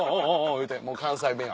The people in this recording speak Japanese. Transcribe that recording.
言うて関西弁や。